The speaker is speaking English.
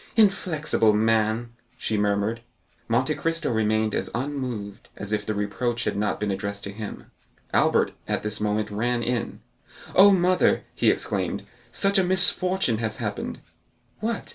"Inflexible man!" she murmured. Monte Cristo remained as unmoved as if the reproach had not been addressed to him. Albert at this moment ran in. "Oh, mother," he exclaimed, "such a misfortune has happened!" "What?